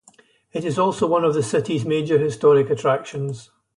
It is also one of the city's major historic attractions.